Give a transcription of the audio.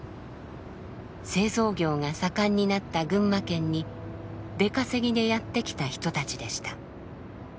製造業が盛んになった群馬県に出稼ぎでやって来た人たちでした。